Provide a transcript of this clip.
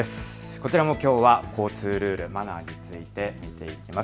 こちらもきょうは交通ルール・マナーについて見ていきます。